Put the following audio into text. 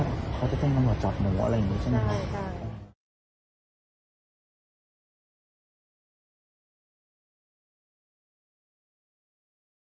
แล้วเขาก็เต้นกำหนดจับหนูอะไรอย่างนี้ใช่ไหมใช่ใช่